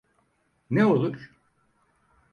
Ne olur?